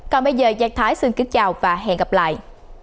còn bây giờ giang thái xin kính chào và hẹn gặp lại